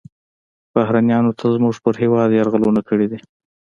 بهرنیانو تل زموږ په هیواد یرغلونه کړي دي